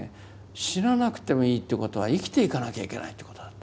死ななくてもいいっていうことは生きていかなきゃいけないっていうことだった。